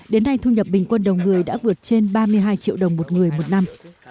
đến nay thu nhập bình quân đầu người đã vượt trên ba mươi hai triệu đồng một người một năm